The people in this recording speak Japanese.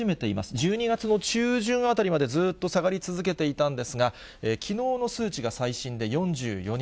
１２月の中旬あたりまでずーっと下がり続けていたんですが、きのうの数値が最新で４４人。